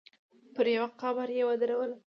پر يوه قبر يې ودرولم.